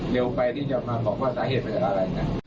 เร็วไปที่จะมาบอกว่าสาเหตุเป็นอะไรนะครับ